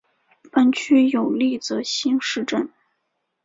本区有立泽新市镇。